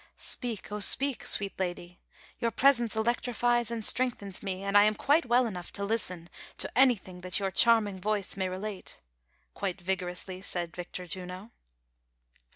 "Speak, O speak, sweet lady; your presence electrifies and strengthens me, and I am quite well enough to listen to anything that your chai'ming voice may relate," quite vigorously said Victor Juno.